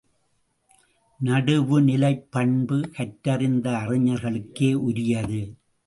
நடுவுநிலைப்பண்பு கற்றறிந்த அறிஞர்களுக்கே உரியது.